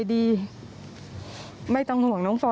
อยู่ดีมาตายแบบเปลือยคาห้องน้ำได้ยังไง